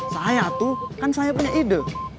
saya tuh kan saya punya ide